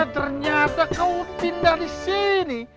ternyata kau pindah disini